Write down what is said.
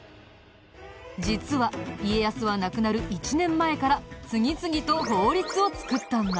実は家康は亡くなる１年前から次々と法律を作ったんだ。